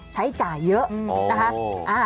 ใช้จ่ายเยอะนะคะ